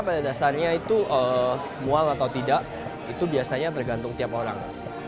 pada dasarnya itu mual atau tidak itu biasanya bergantung tiap orang